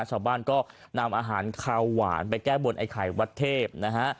ชาวบ้านก็นำอาหารคาวหวานไปแก้บนไอ้ไข่วัดเทพนะฮะ